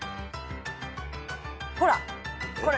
ほらこれ。